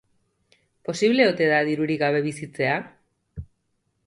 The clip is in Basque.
Posible ote da dirurik gabe bizitzea?